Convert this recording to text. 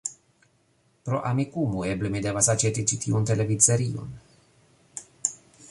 Pro Amikumu, eble mi devas aĉeti ĉi tiun televidserion